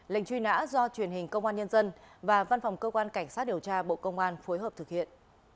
lệnh truy nã do truyền hình công an nhân dân và văn phòng cơ quan cảnh sát điều tra bộ công an phối hợp thực hiện